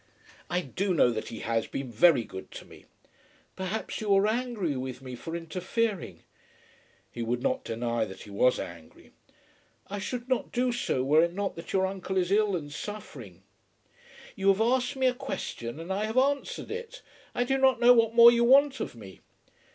"I do know that he has, been very good to me." "Perhaps you are angry with me for interfering." He would not deny that he was angry. "I should not do so were it not that your uncle is ill and suffering." "You have asked me a question and I have answered it. I do not know what more you want of me."